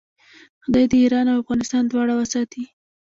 خدای دې ایران او افغانستان دواړه وساتي.